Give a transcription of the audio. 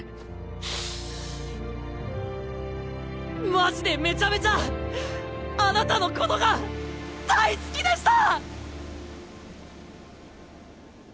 マジでめちゃめちゃあなたのことが大好きでした！